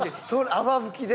泡吹きで。